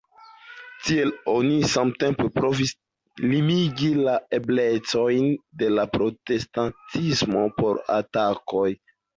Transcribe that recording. Tiel oni samtempe provis limigi la eblecojn de la protestantismo por atakoj.